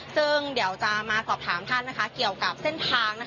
ซึ่งเดี๋ยวจะมาสอบถามท่านเกี่ยวกับเส้นทาง